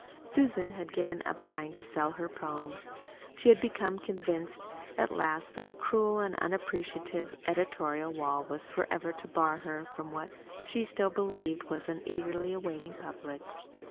Susan had given up trying to sell her "poems." She had become convinced at last that a cruel and unappreciative editorial wall was forever to bar her from what she still believed was an eagerly awaiting public.